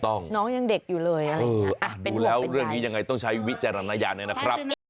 ถูกต้องดูแล้วเรื่องนี้อย่างไรต้องใช้วิจารณญาณนะครับเป็นห่วงเป็นอย่างไร